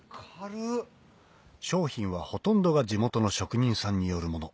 商品はほとんどが地元の職人さんによるもの